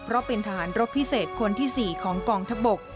เพราะเป็นทหารรบพิเศษคนที่๔ของกองทัพบก